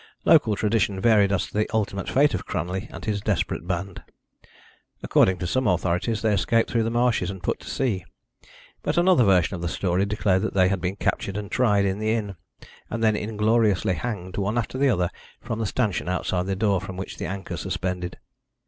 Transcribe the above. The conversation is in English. Local tradition varied as to the ultimate fate of Cranley and his desperate band. According to some authorities, they escaped through the marshes and put to sea; but another version of the story declared that they had been captured and tried in the inn, and then ingloriously hanged, one after the other, from the stanchion outside the door from which the anchor suspended.